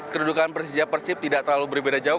kedudukan persija persib tidak terlalu berbeda jauh